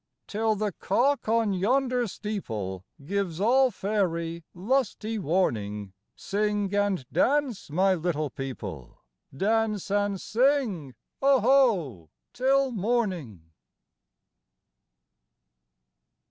Till the cock on yonder steepleGives all faery lusty warning, Sing and dance, my little people,—Dance and sing "Oho" till morning!